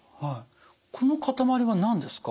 この塊は何ですか？